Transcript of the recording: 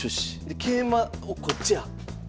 で桂馬をこっちや。